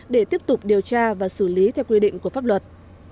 để tiếp tục điều tra và xử lý theo quy định của pháp luật